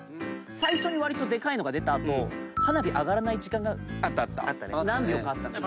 最初にでかいのが出た後花火上がらない時間が何秒かあったのよ。